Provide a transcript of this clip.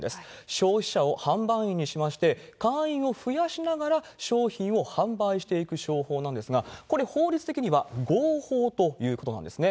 消費者を販売員にしまして、会員を増やしながら、商品を販売していく商法なんですが、これ、法律的には合法ということなんですね。